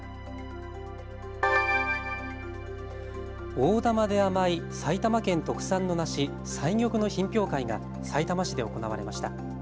大玉で甘い埼玉県特産の梨、彩玉の品評会がさいたま市で行われました。